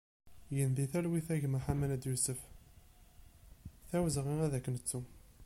Gen di talwit a gma Ḥamenad Yusef, d awezɣi ad k-nettu!